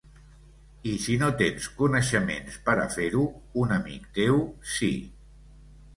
I si no tens coneixements per a fer-ho, un amic teu, sí.